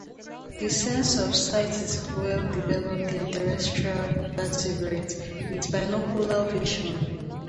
The sense of sight is well developed in terrestrial vertebrates with binocular vision.